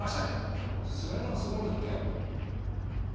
スライダーがすごいんだって？